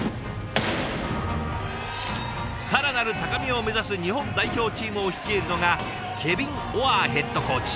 更なる高みを目指す日本代表チームを率いるのがケビン・オアーヘッドコーチ。